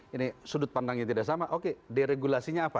ini sudut pandangnya tidak sama oke deregulasinya apa